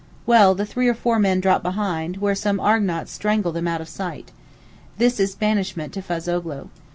Well, the three or four men drop behind, where some arnouts strangle them out of sight. This is banishment to Fazoghlou.